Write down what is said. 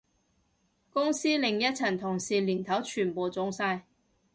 公司另一層同事年頭全部中晒